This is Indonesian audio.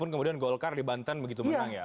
kemudian golkar di banten begitu menang ya